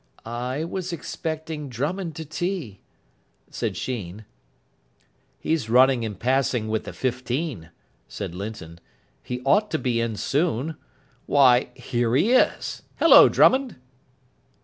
"I was expecting Drummond to tea," said Sheen. "He's running and passing with the fifteen," said Linton. "He ought to be in soon. Why, here he is. Hullo, Drummond!"